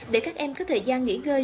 để các em có thời gian nghỉ ngơi